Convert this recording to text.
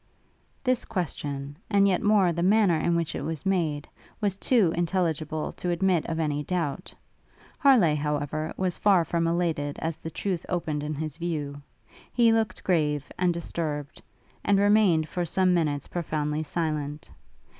This question, and yet more the manner in which it was made, was too intelligible to admit of any doubt. Harleigh, however, was far from elated as the truth opened in his view: he looked grave and disturbed, and remained for some minutes profoundly silent.